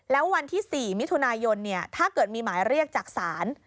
แล้ววันที่๔มิถุนายนถ้าเกิดมีหมายเรียกจากศาล